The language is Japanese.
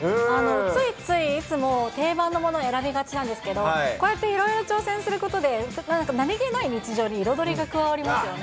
ついつい、いつも定番のものを選びがちなんですけど、こうやっていろいろ挑戦することで、何気ない日常に彩りが加わりますよね。